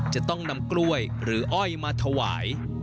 จะต้องนำกล้วยหรืออ้อยมาถวาย